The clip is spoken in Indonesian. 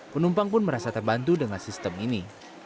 penumpang pun merasa terbantu dengan sistem ini